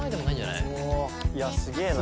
いやすげえな。